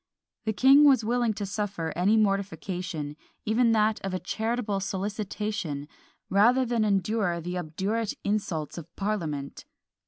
The king was willing to suffer any mortification, even that of a charitable solicitation, rather than endure the obdurate insults of parliament!